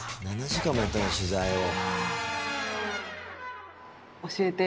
７時間もやったんだ取材を。